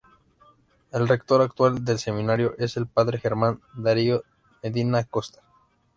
El rector actual del seminario es el padre Germán Darío Medina Acosta.